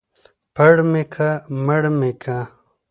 ـ پړ مى که مړ مى که.